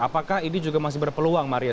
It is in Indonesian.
apakah ini juga masih berpeluang maria